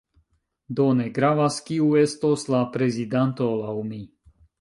Do, ne gravas kiu estos la prezidanto laŭ mi